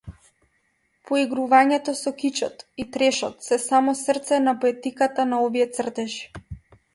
Поигрувањето со кичот и трешот се самото срце на поетиката на овие цртежи.